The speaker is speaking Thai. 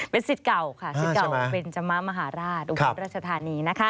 เป็นสิทธิ์เก่าค่ะสิทธิ์เก่าเบนจมะมหาราชอุบลราชธานีนะคะ